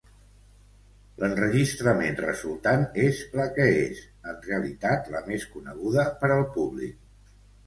L'enregistrament resultant és la que és, en realitat la més coneguda per al públic.